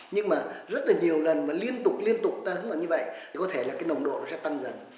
nhưng mà rất là nhiều lần mà liên tục liên tục tấn vào như vậy thì có thể là cái nồng độ nó sẽ tăng dần